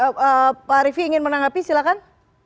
pak rify ingin menanggapi silakan